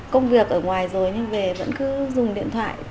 công việc ở ngoài rồi nhưng về vẫn cứ dùng điện thoại